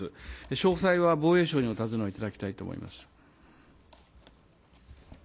詳細は防衛省にお尋ねをいただきたいと思います。